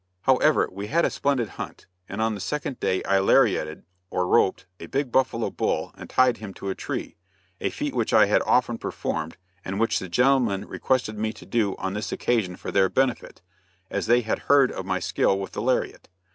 However, we had a splendid hunt, and on the second day I lariated, or roped, a big buffalo bull and tied him to a tree, a feat which I had often performed, and which the gentlemen requested me to do on this occasion for their benefit, as they had heard of my skill with the lariat.